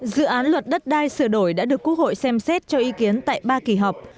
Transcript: dự án luật đất đai sửa đổi đã được quốc hội xem xét cho ý kiến tại ba kỳ họp